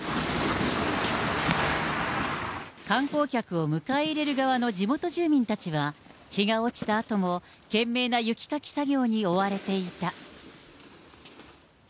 観光客を迎え入れる側の地元住民たちは、日が落ちたあとも懸命な雪かき作業に追われていた。